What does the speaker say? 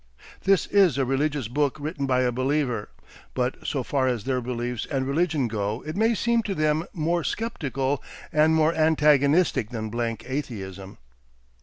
This is a religious book written by a believer, but so far as their beliefs and religion go it may seem to them more sceptical and more antagonistic than blank atheism.